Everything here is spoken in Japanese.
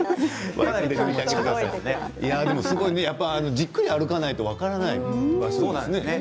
でも、じっくり歩かないと分からない場所ですね。